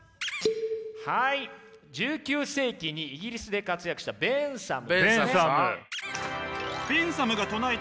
はい１９世紀にイギリスで活躍したベンサム。